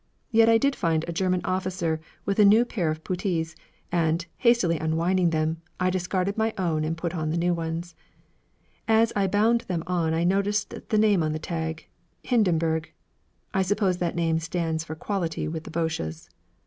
Yet I did find a German officer with a new pair of puttees, and, hastily unwinding them, I discarded my own and put on the new ones. As I bound them on I noticed the name on the tag 'Hindenburg.' I suppose that name stands for quality with the Boches.